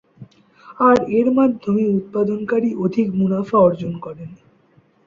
আর এর মাধ্যমেই উৎপাদনকারী অধিক মুনাফা অর্জন করেন।